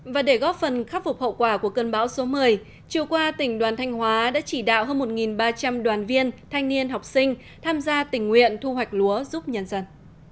và để góp phần khắc phục hậu quả của cơn bão số một mươi chiều qua tỉnh đoàn thanh hóa đã chỉ đạo hơn một ba trăm linh đoàn viên thanh niên học sinh tham gia tình nguyện thu hoạch lúa giúp nhân dân